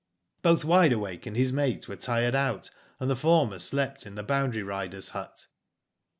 *'Both Wide Awake and his mate were tired out, and the former slept in the boundary rider's hut.